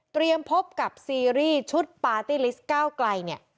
พบกับซีรีส์ชุดปาร์ตี้ลิสต์ก้าวไกลเนี่ย